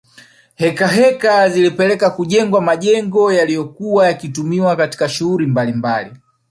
Heka heka zilipelekea kujengwa majengo yaliyokuwa yakitumiwa katika shughuli mbalimbali